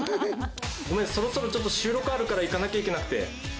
ごめんそろそろちょっと収録あるから行かなきゃいけなくて。